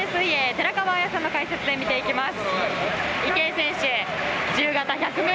寺川綾さんの解説で見ていきます。